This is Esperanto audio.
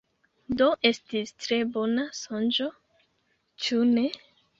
Do estis tre bona sonĝo, ĉu ne?